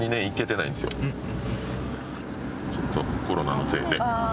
ちょっとコロナのせいで。